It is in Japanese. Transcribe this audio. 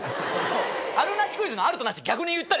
あるなしクイズの「ある」と「なし」逆に言ったり。